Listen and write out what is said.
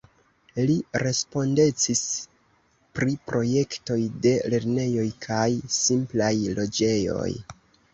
Li respondecis pri projektoj de lernejoj kaj simplaj loĝejoj.